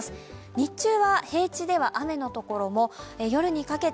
日中は平地では雨の所も、夜にかけて